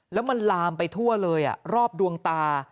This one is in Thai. แล้วมันลามไปทั่วเลยรอบดวงตา